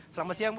selamat siang bu